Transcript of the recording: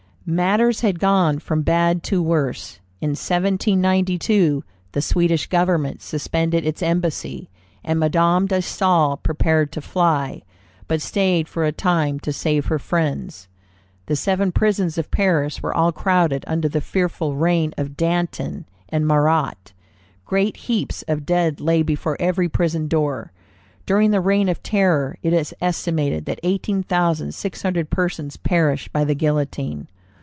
Matters had gone from bad to worse. In 1792 the Swedish government suspended its embassy, and Madame de Staël prepared to fly, but stayed for a time to save her friends. The seven prisons of Paris were all crowded under the fearful reign of Danton and Marat. Great heaps of dead lay before every prison door. During that Reign of Terror it is estimated that eighteen thousand six hundred persons perished by the guillotine.